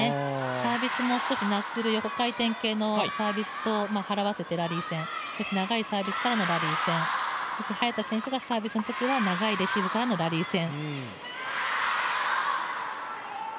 サービスも少しナックル、横回転系と払わせてラリー戦、そして長いサービスからのラリー戦、早田選手がサービスのときは長いレシーブからのラリー戦。